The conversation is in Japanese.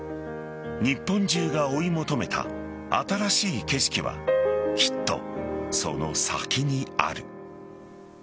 日本中が追い求めた新しい景色はきっと、その先にある。